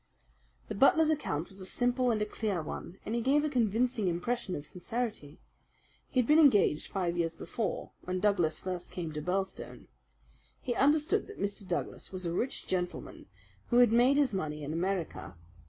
The butler's account was a simple and a clear one, and he gave a convincing impression of sincerity. He had been engaged five years before, when Douglas first came to Birlstone. He understood that Mr. Douglas was a rich gentleman who had made his money in America.